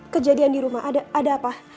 kejadian di rumah ada apa